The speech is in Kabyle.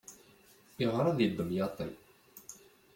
Iɣṛa di demyaṭi.